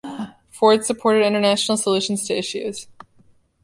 Ford supported international solutions to issues.